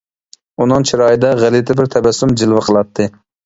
ئۇنىڭ چىرايىدا غەلىتە بىر تەبەسسۇم جىلۋە قىلاتتى.